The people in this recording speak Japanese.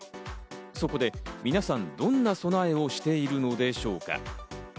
そこで皆さん、どんな備えをしているのでしょうか？